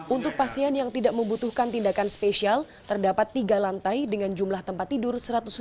untuk pasien yang tidak membutuhkan tindakan spesial terdapat tiga lantai dengan jumlah tempat tidur satu ratus enam puluh